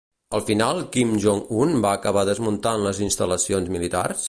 Al final Kim Jong-un va acabar desmuntant les seves instal·lacions militars?